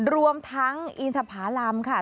รวมทั้งอินทภารำค่ะ